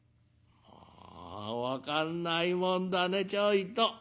「ああ分かんないもんだねちょいと。